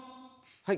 はい。